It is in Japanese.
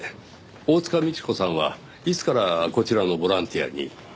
大塚美智子さんはいつからこちらのボランティアに？